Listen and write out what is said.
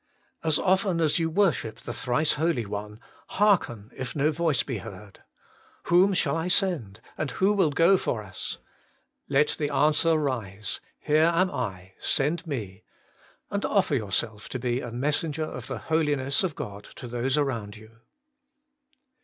4. As often as you worship the Thrice Holy One, hearken if no volee bt heard : Whom shall I send, and who will go for us ? Let the answer rise, Here am I, send me, and offer yourself to be a messenger of the holiness of God to those around you.